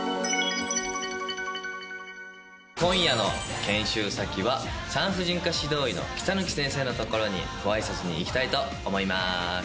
今夜の研修先は、産婦人科指導医の木佐貫先生の所にごあいさつに行きたいと思います。